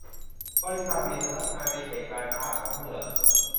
บริษัทมีสำนักงานในเขตการค้าของเมือง